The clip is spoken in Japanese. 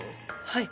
はい。